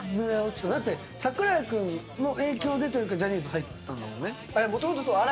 だって、櫻井君の影響でジャニーズ入ったんだもんね。